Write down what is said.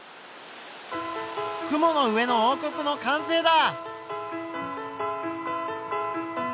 「雲の上の王国」の完成だ！